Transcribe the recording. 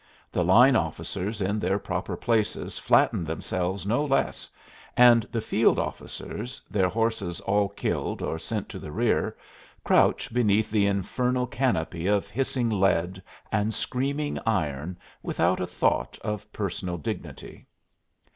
The line officers in their proper places flatten themselves no less, and the field officers, their horses all killed or sent to the rear, crouch beneath the infernal canopy of hissing lead and screaming iron without a thought of personal dignity.